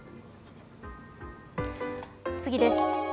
次です。